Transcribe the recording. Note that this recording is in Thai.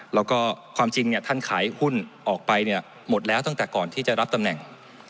แล้วก็ความจริงท่านขายหุ้นออกไปหมดแล้วตั้งแต่ก่อนที่จะรับตำแหน่ง